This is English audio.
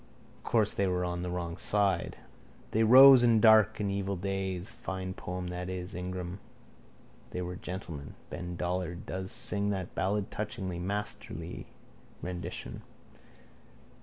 Course they were on the wrong side. They rose in dark and evil days. Fine poem that is: Ingram. They were gentlemen. Ben Dollard does sing that ballad touchingly. Masterly rendition.